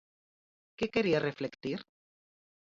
Que querías reflectir?